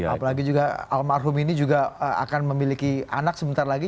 apalagi juga almarhum ini juga akan memiliki anak sebentar lagi